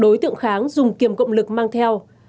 đối tượng kháng dùng kiềm cộng lực mang theo